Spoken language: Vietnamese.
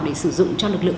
để sử dụng cho lực lượng